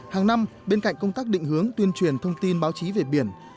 hàng năm bên cạnh công tác định hướng tuyên truyền thông tin báo chí về biển